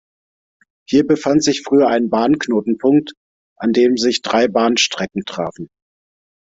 Hier befand sich früher ein Bahnknotenpunkt, an dem sich drei Bahnstrecken trafen.